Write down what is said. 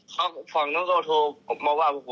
พอมีผู้คนก็โทรมาบอก